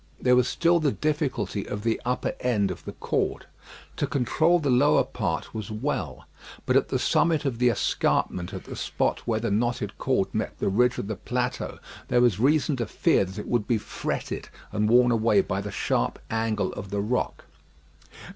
There was still the difficulty of the upper end of the cord. To control the lower part was well, but at the summit of the escarpment at the spot where the knotted cord met the ridge of the plateau, there was reason to fear that it would be fretted and worn away by the sharp angle of the rock.